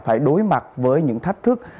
phải đối mặt với những thách thức